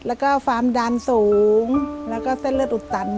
แล้วก็ความดันสูงแล้วก็เส้นเลือดอุดตัน